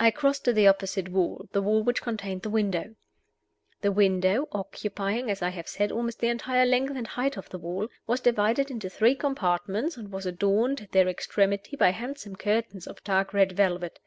I crossed to the opposite wall, the wall which contained the window. The window (occupying, as I have said, almost the entire length and height of the wall) was divided into three compartments, and was adorned at their extremity by handsome curtains of dark red velvet.